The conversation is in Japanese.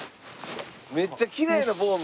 めっちゃきれいなフォーム。